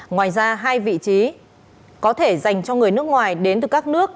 ngoài ra hai vị trí có thể dành cho người nước ngoài đến từ các nước